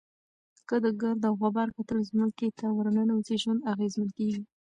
که د ګرد او غبار کتل ځمکې ته ورننوزي، ژوند اغېزمن کېږي.